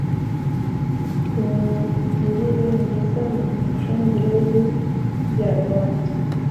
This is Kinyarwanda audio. imigirire myiza mu micungire y’ibyarubanda